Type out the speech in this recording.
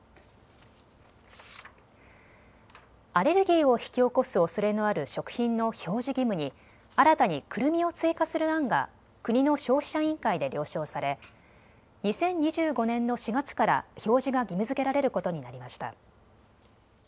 アレルギーを引き起こすおそれのある食品の表示義務に新たにくるみを追加する案が国の消費者委員会で了承され２０２５年の４月から表示が義務づけられることになりました。